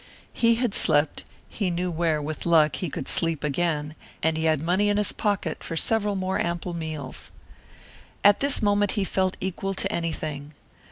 He had slept; he knew where with luck he could sleep again; and he had money in his pocket for several more ample meals. At this moment he felt equal to anything.